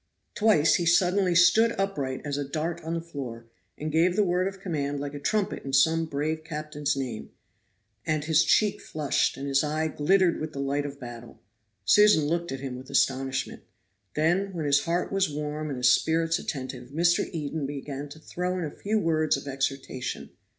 Twice he suddenly stood upright as a dart on the floor, and gave the word of command like a trumpet in some brave captain's name; and his cheek flushed, and his eye glittered with the light of battle. Susan looked at him with astonishment. Then when his heart was warm and his spirits attentive Mr. Eden began to throw in a few words of exhortation.